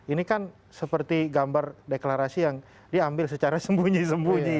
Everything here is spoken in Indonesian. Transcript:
ini kan seperti gambar deklarasi yang diambil secara sembunyi sembunyi